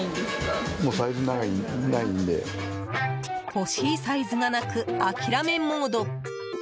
欲しいサイズがなく諦めモード。